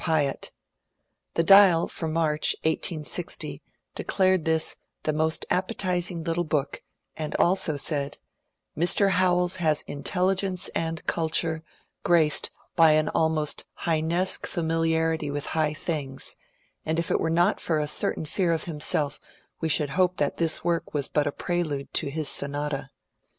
Piatt). The *' Dial " for March, 1860, declared this ''the most appetizing little book," and also said :'' Mr. Howells has intelligence and culture, graced by an almost Heinesque familiarity with high things ; and if it were not for a certain fear of himself, we should hope that this work was but a prelude to his sonata.